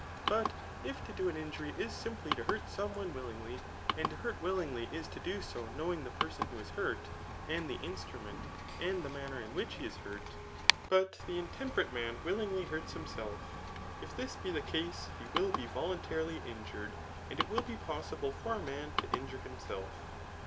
But if to do an injury is simply to hurt some one will ingly, and to hurt willingly is to do so knowing the per* 8oa who is hurt, and the instrument, and the manner in wbich he is hurt; but the intemperate man willingly hurts him^f ; if this be the case, he will be voluntarily injured, and it will be possible for a man to injure him^ ^f.